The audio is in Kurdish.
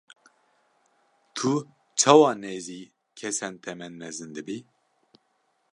Tu çawa nêzî kesên temenmezin dibî?